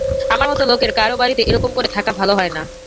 আমার মতো লোকের কারো বাড়িতে এরকম করে থাকা ভালো হয় না।